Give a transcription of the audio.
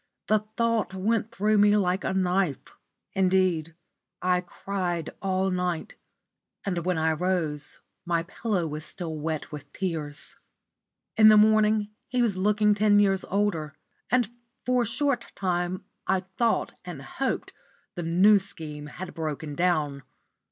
The thought went through me like a knife. Indeed, I cried all night, and when I rose my pillow was still wet with tears. In the morning he was looking ten years older, and for a short time I thought and hoped the New Scheme had broken down.